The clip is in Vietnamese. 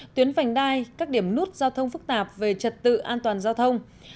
tuyến vành đai các điểm nút giao thông phức tạp về trật tự an toàn giao thông